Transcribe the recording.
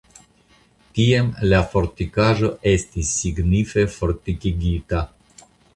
Tiam la fortikaĵo estis signife fortikigita.